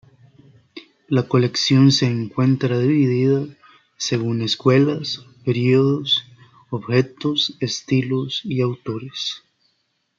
La colección se encuentra dividida según escuelas, períodos, objetos, estilos y autores.